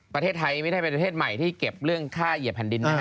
ประเทศไทยไม่ใช่ประเทศใหม่ที่เก็บเรื่องค่าเหยียบแผ่นดินนะฮะ